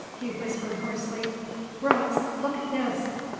he whispered hoarsely. "Brooks, look at this!"